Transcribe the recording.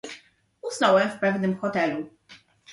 "Usnąłem w pewnym hotelu."